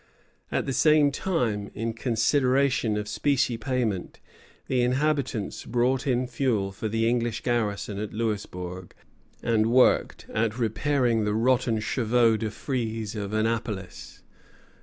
At the same time, in consideration of specie payment, the inhabitants brought in fuel for the English garrison at Louisbourg, and worked at repairing the rotten chevaux de frise of Annapolis.